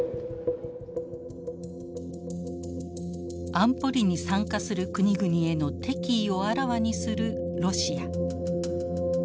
安保理に参加する国々への敵意をあらわにするロシア。